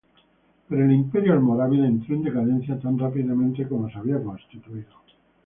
Pero el imperio almorávide entró en decadencia tan rápidamente como se había constituido.